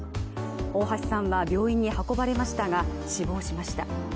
大橋さんは病院に運ばれましたが死亡しました。